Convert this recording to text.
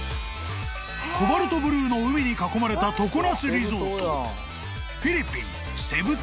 ［コバルトブルーの海に囲まれた常夏リゾートフィリピン］